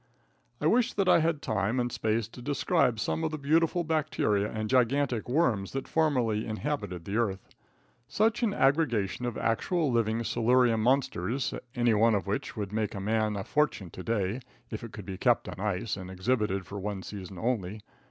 I wish that I had time and space to describe some of the beautiful bacteria and gigantic worms that formerly inhabited the earth. Such an aggregation of actual, living Silurian monsters, any one of which would make a man a fortune to day, if it could be kept on ice and exhibited for one season only.